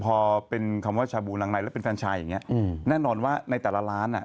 พอเป็นคำว่าชาบูนางในแล้วเป็นแฟนชายอย่างเงี้อืมแน่นอนว่าในแต่ละร้านอ่ะ